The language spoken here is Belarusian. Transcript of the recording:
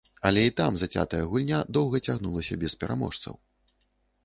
Але і там зацятая гульня доўга цягнулася без пераможцаў.